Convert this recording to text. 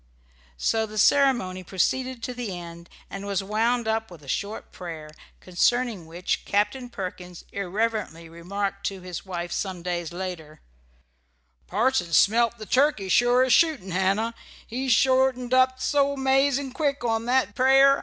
So the ceremony proceeded to the end, and was wound up with a short prayer, concerning which Captain Perkins irreverently remarked to his wife some days after: "Parson smelt the turkey, sure as shootin', Hannah. He shortened up so 'mazin' quick on that prayer.